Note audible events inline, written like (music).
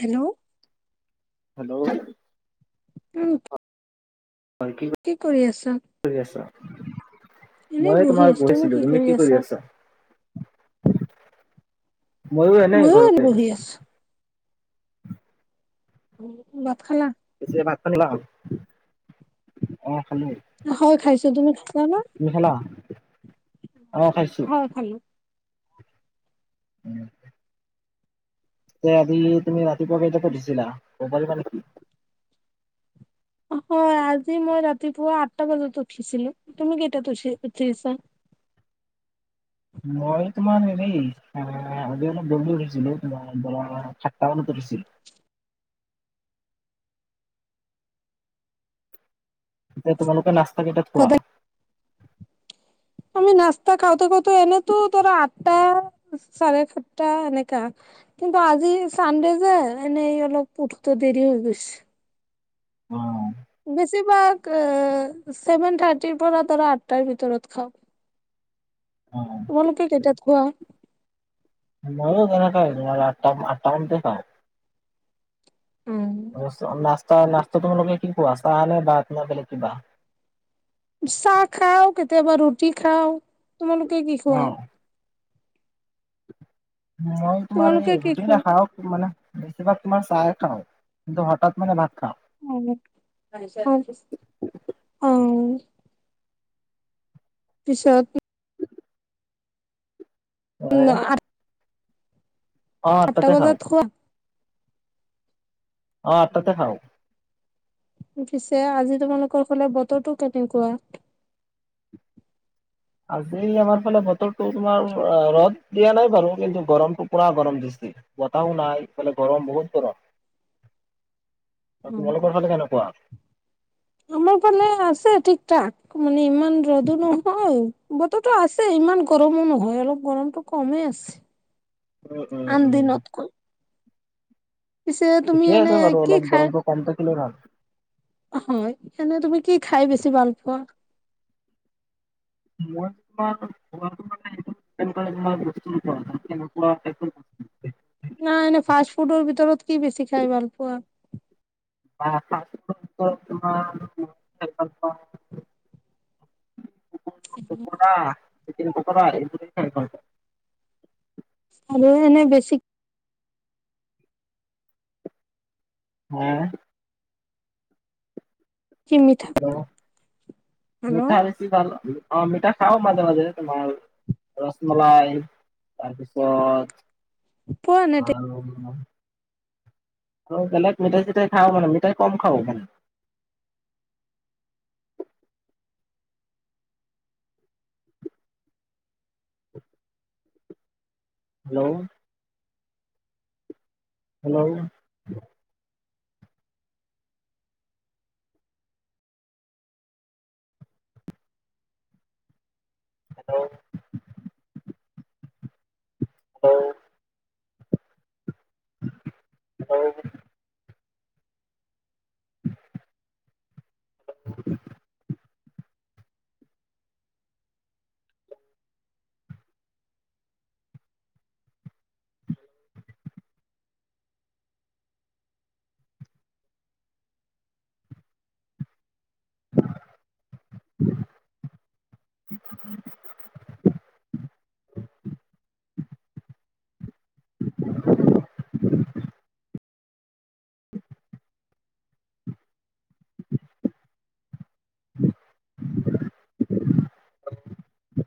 Hello hello? উম! হয়, কি? কি কৰি আছ? কি কৰি আছা? মই এ, তোমাৰ বহি আছিলোঁ। তুমি কি কৰি আছা? মইও এনে ময়ো ঘৰতে বহি আছোঁ। আছো। ভাত খালা পিছে ভাত খালা? অ খালোঁ। হয়, খাইছো। তুমি খাইছা না তুমি খালা? অ খাইছোঁ। অ'! ভালে। (inaudible) যে আজি, তুমি ৰাতিপুৱা কেইটাত উঠিছিলা? (unintelligible) মানে কি? হয়! আজি মই ৰাতিপুৱা আঠটা বজাত উঠিছিলোঁ। তুমি কেইটাত উঠি, উঠিছা? মই তোমাৰ, হেৰি এ, আজি অলপ দেৰীকে উঠিছিলোঁ। তোমাৰ সাতটা মানত উঠিছিলোঁ। এতিয়া, তোমালোকে নাস্তা কেইটাত খোৱা? সদায় আমি নাস্তা খাওঁতে, খাওঁতে, এনেটো ধৰা, আঠটা। চাৰে সাতটা এনেকা। কিন্তু, আজি চানডে যে, এনেই অলপ উঠোতে লয় দেৰি হৈ গৈছে। অ'! বেছিভাগ, এ, ছেভেন থাৰ্টিৰ পৰা, ধৰা আঠটাৰ ভিতৰত খাওঁ। তোমালোকে কেইটাত খোৱা? মইয়ো তেনেকাই! তোমাৰ আঠ, আঠটা মানতে খাওঁ। উম। তাৰপিছত, নাস্ত স্তা, নাস্তা তুমি কি খোৱা? চাহ নে, বা তোমাৰ বেলেগ কিবা? চাহ খাওঁ, কেতিয়াবা ৰুটি খাওঁ। তোমালোকে কি খোৱা? অ' মই তোমাৰ তোমালোকে এই, কি ৰুটি খোৱা নাখাওঁ। কি মানে, বেছিভাগ তোমাৰ চাহে খাওঁ। কিন্তু, হঠাৎ মানে ভাত খাওঁ। (unintelligible) অ'! অ'! পিছত উম (unintelligible) আঠ অ আঠটা আঠটাতে খাওঁ বজাত খোৱা? অ'! আঠটাতে খাওঁ। পিছে, আজি তোমালোকৰ ফালে বতৰটো কেনেকুৱা? আজি, আমাৰ ফালে বতৰটো তোমাৰ আঁ ৰ'দ দিয়া নাই বাৰু। কিন্তু, গৰমটো পুৰা, গৰম দিছে। বতাহো নাই। ইফালে গৰম বহুত গৰম! আৰু তোমালোকৰ ফালে কেনেকুৱা? আমাৰ ফালে আছে। (unintelligible) মানে, ইমান ৰ'দো নহয়। বতৰটো আছে, ইমান গৰমো নহয়! অলপ গৰমটো কমে আছে। উম! উম! আন উম! দিনতকৈ পিছে তুমি ঠিকে এনে আছে বাৰু। কি অলপ গৰমটো কম থাকিলে ভাল! অ'! হয়। এনে, তুমি কি খাই বেছি ভাল পোৱা? মই (unintelligible) নাই এনে, ফাষ্ট ফুডৰ ভিতৰত কি বেছি খাই ভাল পোৱা? নাই, ফাষ্ট ফুডৰ ভিতৰত তোমাৰ, (unintelligible) খাই ভাল পাওঁ। পকোঁৰা, চিকেন পকোঁৰা, এইবোৰে খাই ভাল পাওঁ। আৰু এনে, বেছি (unintelligible) কি মিঠা অ'! ভাল মিঠা বেছি ভাল, অ'! মিঠা খাওঁ মাজে, মাজে। তোমাৰ ৰছমলাই, তাৰপিছত পোৱা নে আৰু আৰু বেলেগ মিঠাই, চিঠাই খাওঁ। মানে, মিঠাই কম খাওঁ মানে। হেল্ল'? Hello hello hello (unintelligible) (unintelligible) (unintelligible) (unintelligible)